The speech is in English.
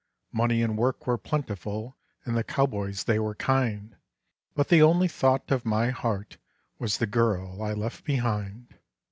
Money and work were plentiful and the cowboys they were kind But the only thought of my heart was the girl I left behind.